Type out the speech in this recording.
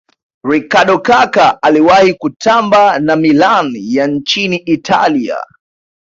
ricardo kaka aliwahi kutamba na milan ya nchini italia